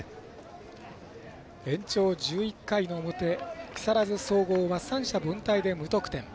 延長１１回の表木更津総合は三者凡退で無得点。